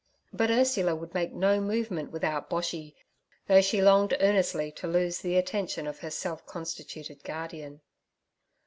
But Ursula would make no movement without Boshy, though she longed earnestly to lose the attention of her self constituted guardian.